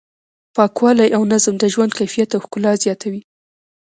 پاکوالی او نظم د ژوند کیفیت او ښکلا زیاتوي.